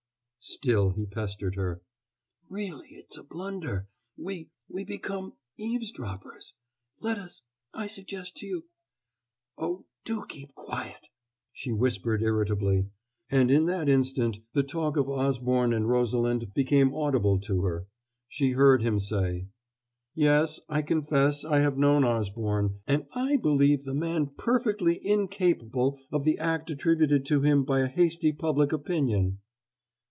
Still he pestered her. "Really it is a blunder.... We we become eavesdroppers ! Let us I suggest to you " "Oh, do keep quiet," she whispered irritably; and in that instant the talk of Osborne and Rosalind became audible to her. She heard him say: "Yes, I confess I have known Osborne, and I believe the man perfectly incapable of the act attributed to him by a hasty public opinion."